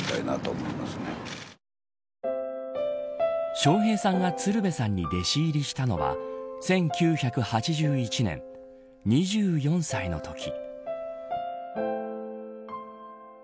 笑瓶さんが鶴瓶さんに弟子入りしたのは１９８１年２４歳のとき。